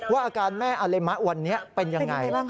ว่าอาการแม่อาเลมะวันนี้เป็นอย่างไร